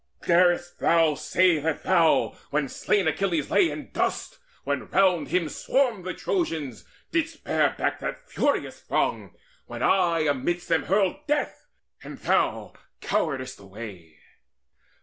Dar'st thou say That thou, when slain Achilles lay in dust, When round him swarmed the Trojans, didst bear back That furious throng, when I amidst them hurled Death, and thou coweredst away?